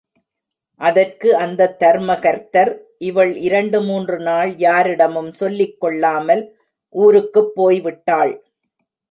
அதற்கு அந்தத் தர்மகர்த்தர், இவள் இரண்டு மூன்று நாள் யாரிடமும் சொல்லிக் கொள்ளாமல் ஊருக்குப் போய் விட்டாள்.